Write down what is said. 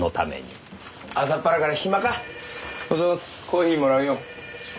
コーヒーもらうよ。